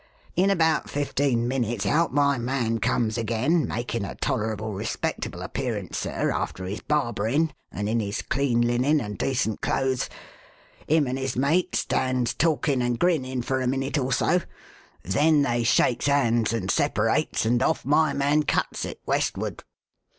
In about fifteen minutes out my man comes again, makin' a tolerable respectable appearance, sir, after his barberin' and in his clean linen and decent clothes. Him and his mate stands talkin' and grinnin' for a minute or so, then they shakes hands and separates, and off my man cuts it, westward.